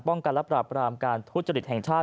กันและปราบรามการทุจริตแห่งชาติ